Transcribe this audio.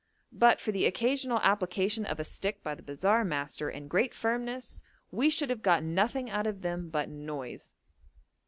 But for the occasional application of a stick by the bazaar master and great firmness, we should have got nothing out of them but noise.